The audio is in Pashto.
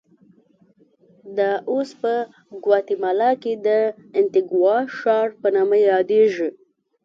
دا اوس په ګواتیمالا کې د انتیګوا ښار په نامه یادېږي.